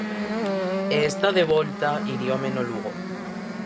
E está de volta Iriome no Lugo.